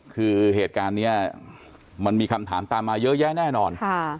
คือเหตุการณ์นี้มันมีคำถามตามมาเยอะแยะแน่นอน